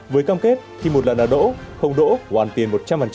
với cam kết khi một lần nào đỗ không đỗ hoàn tiền một trăm linh